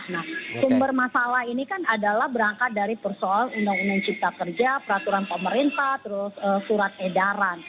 nah sumber masalah ini kan adalah berangkat dari persoalan undang undang cipta kerja peraturan pemerintah terus surat edaran